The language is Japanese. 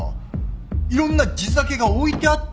いろんな地酒が置いてあって。